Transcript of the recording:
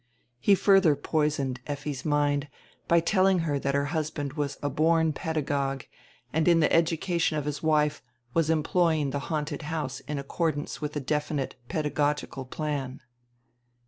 He furdier poisoned Effi's mind hy telling her that her husband was a born pedagogue and in die education of his wife was employing die haunted house in accordance with a definite pedagogical plan.